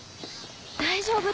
大丈夫？